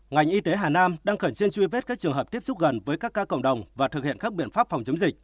ngành y tế hà nam đang khẩn trương truy vết các trường hợp tiếp xúc gần với các ca cộng đồng và thực hiện các biện pháp phòng chống dịch